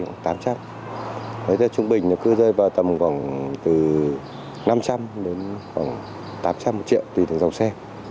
với dòng xe trung bình thì cứ rơi vào tầm khoảng từ năm trăm linh tám trăm linh triệu tùy dòng xe